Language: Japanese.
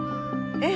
ええ。